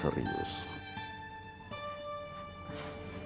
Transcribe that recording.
serius apa bang